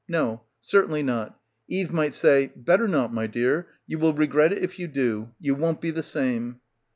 No. Cer tainly not. Eve might say "Better not, my dear. You will regret it if you do. You won't be the same."